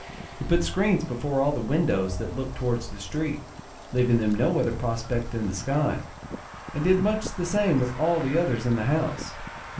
He put screens before all the windows that looked towards the street, leaving them no other prospect than the sky, and did much the same with all the others in the house.